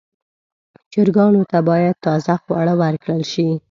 چرګانو ته باید تازه خواړه ورکړل شي.